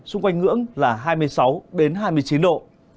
xung quanh ngưỡng là hai mươi sáu hai mươi chín độ